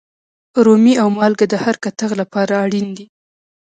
رومي او مالگه د هر کتغ لپاره اړین دي.